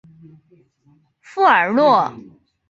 富尔诺。